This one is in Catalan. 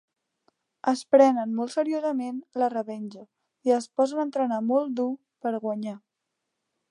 Es prenen molt seriosament la revenja i es posen a entrenar molt dur per guanyar.